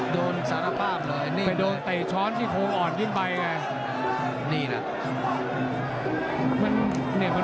ดังเตะช้อนที่โถงอ่อนด้วยไปเนี่ย